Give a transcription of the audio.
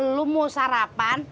lu mau sarapan